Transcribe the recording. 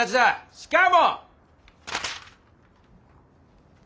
しかも！